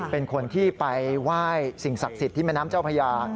เป็นคนที่ไปไหว้สิ่งศักดิ์สิทธิ์ที่แม่น้ำเจ้าพญา